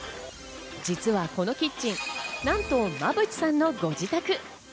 実はこのキッチン、なんと馬淵さんのご自宅。